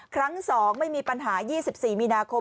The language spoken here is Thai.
ครั้ง๒ไม่มีปัญหา๒๔มีนาคม